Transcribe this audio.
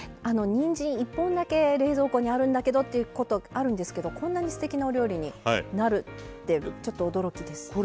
あのにんじん１本だけ冷蔵庫にあるんだけどっていうことあるんですけどこんなにすてきなお料理になるってちょっと驚きです。